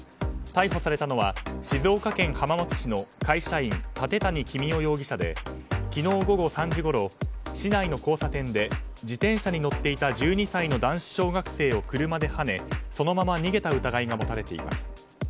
逮捕されたのは静岡県浜松市の会社員舘谷公夫容疑者で昨日午後３時ごろ市内の交差点で自転車に乗っていた１２歳の男子小学生を車ではねそのまま逃げた疑いが持たれています。